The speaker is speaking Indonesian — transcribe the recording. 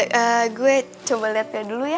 yaudah gue coba liat dia dulu ya